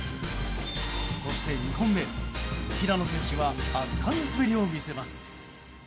そして２本目、平野選手は圧巻の滑りを見せます。